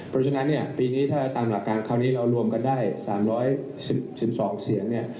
เพราะฉะนั้นเนี่ยปีนี้ถ้าตามหลักการคราวนี้เรารวมกันได้๓๑๒เสียงเนี่ย